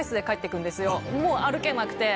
もう歩けなくて。